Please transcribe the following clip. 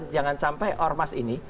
jangan sampai ormas ini